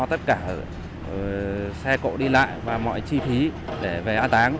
tất cả xe cộ đi lại và mọi chi phí để về an táng